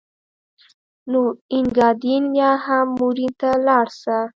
نو اینګادین یا هم مورین ته ولاړ شه.